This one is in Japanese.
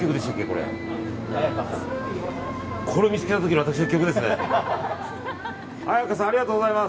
これを見つけた時の私の曲ですね。